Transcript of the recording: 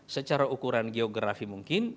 secara ukuran geografi mungkin